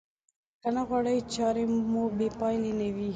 که نه غواړئ چارې مو بې پايلې نه وي.